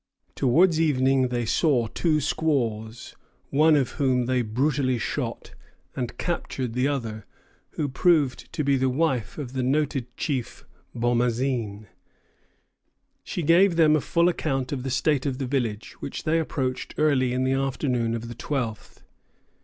Towards evening they saw two squaws, one of whom they brutally shot, and captured the other, who proved to be the wife of the noted chief Bomazeen. She gave them a full account of the state of the village, which they approached early in the afternoon of the twelfth.